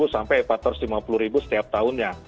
sampai empat ratus lima puluh setiap tahun